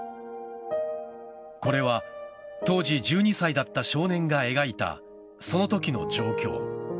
これは当時１２歳だった少年が描いたそのときの状況。